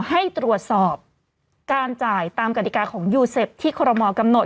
ให้ตรวจสอบการจ่ายตามกฎิกาของยูเซฟที่คอรมอลกำหนด